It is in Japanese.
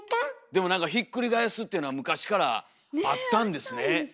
でもなんかひっくり返すっていうのは昔からあったんですね。ね！